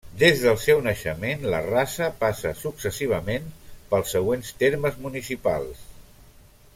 Des del seu naixement, la Rasa passa successivament pels següents termes municipals.